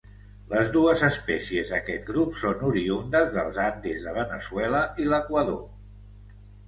Les dues espècies d'aquest grup són oriündes dels Andes de Veneçuela i l'Equador.